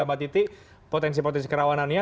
mbak titi potensi potensi kerawanannya